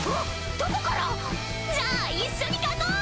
どこから⁉じゃあ一緒に描こう！